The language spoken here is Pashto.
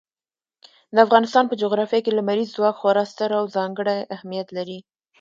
د افغانستان په جغرافیه کې لمریز ځواک خورا ستر او ځانګړی اهمیت لري.